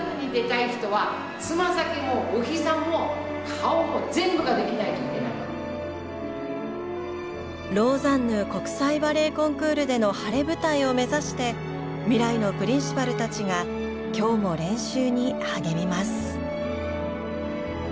私自身がローザンヌ国際バレエコンクールでの晴れ舞台を目指して未来のプリンシパルたちが今日も練習に励みます。